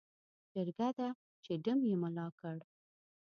جرګه ده چې ډم یې ملا کړ.